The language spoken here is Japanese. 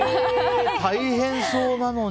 大変そうなのに。